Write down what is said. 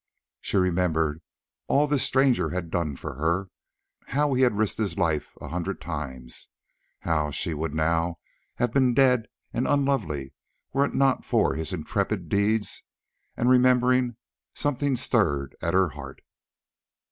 She remembered all that this stranger had done for her, how he had risked his life a hundred times, how she would now have been dead and unlovely were it not for his intrepid deeds, and remembering, something stirred at her heart.